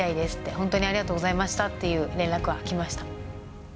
本当にありがとうございましたっていう連絡は来ました。